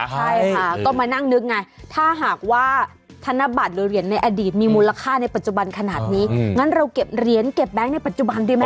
ใช่ค่ะก็มานั่งนึกไงถ้าหากว่าธนบัตรหรือเหรียญในอดีตมีมูลค่าในปัจจุบันขนาดนี้งั้นเราเก็บเหรียญเก็บแบงค์ในปัจจุบันดีไหม